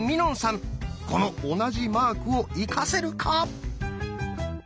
この同じマークを生かせるか？